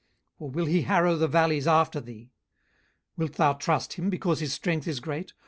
or will he harrow the valleys after thee? 18:039:011 Wilt thou trust him, because his strength is great?